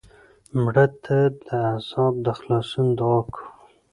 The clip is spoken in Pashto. مړه ته د عذاب د خلاصون دعا کوو